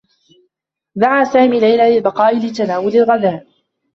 دعى سامي ليلى للبقاء لتناول الغذاء.